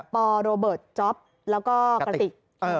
ปโรเบิร์ตจ๊อปแล้วก็กระติก